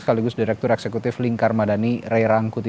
sekaligus direktur eksekutif lingkar madani ray rangkuti